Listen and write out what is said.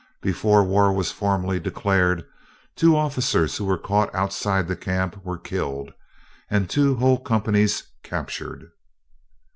Before war was formally declared, two officers who were caught outside the camp were killed, and two whole companies captured.